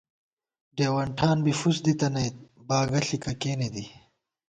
ڈېوَن ٹھان بی فُوس دِی تَنَئیت، باگہ ݪِکہ کېنےدی